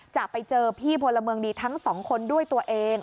จะไปเจอพี่พลเมืองดีทั้งสองคนด้วยตัวเอง